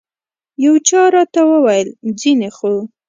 یو چا راته وویل ځینې خو.